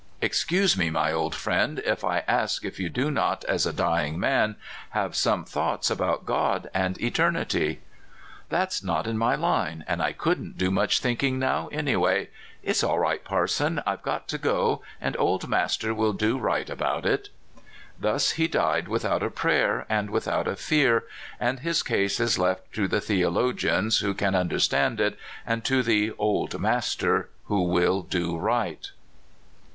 " Excuse me, my old friend, if I ask if you do not, as a dying man, have some thoughts about God and eternity?" '' That's not in my line, and I couldn't do much thinking now anyway. It's all right, parson — I've got to go, and Old Master will do right about it." Thus he died without a prayer, and without a fear, and his case is left to the theologians who can understand it, and to the '* Old Master," who will do right.